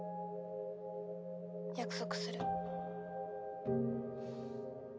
☎約束する。